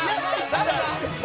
誰だ？